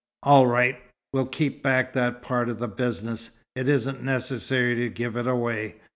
"All right. We'll keep back that part of the business. It isn't necessary to give it away.